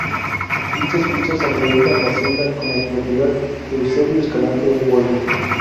Dichas fichas acreditan la hacienda como propiedad de Eusebio Escalante Bolio.